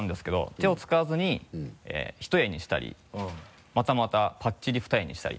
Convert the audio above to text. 手を使わずに一重にしたりまたまたぱっちり二重にしたり。